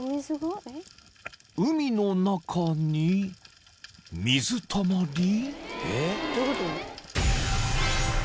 ［海の中に水たまり？］